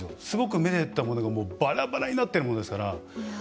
すごく、めでてたものがバラバラになってるものですから。